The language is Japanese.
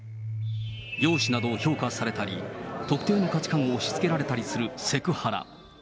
容姿などを評価されたり、特定の価値観を押し付けられたりす